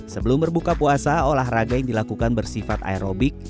sebelum berbuka puasa olahraga yang dilakukan bersifat aerobik